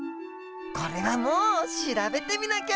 これはもう調べてみなきゃ！